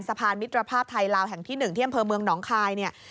สะพานมิตรภาพไทยราวแห่งที่๑เที่ยมพิมพ์เมืองหนองคาย